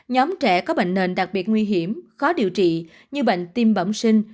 nhóm trẻ có bệnh nền đặc biệt nguy hiểm khó điều trị như bệnh tim bẩm sinh